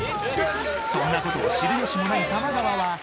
そんなことを知るよしもない玉川は。